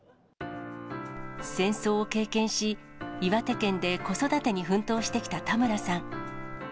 戦争を経験し、岩手県で子育てに奮闘してきた田村さん。